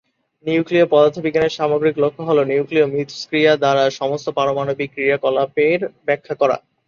নিউক্লীয় পদার্থবিজ্ঞানের সামগ্রিক লক্ষ্য হল নিউক্লিয় মিথষ্ক্রিয়া দ্বারা সমস্ত পারমাণবিক ক্রিয়াকলাপের ব্যাখ্যা করা।